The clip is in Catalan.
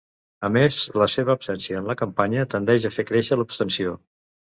A més, la seva absència en la campanya tendeix a fer créixer l’abstenció.